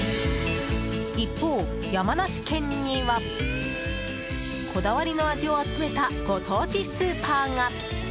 一方、山梨県にはこだわりの味を集めたご当地スーパーが。